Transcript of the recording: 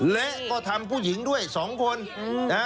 และก็ทำผู้หญิงด้วย๒คนนะฮะ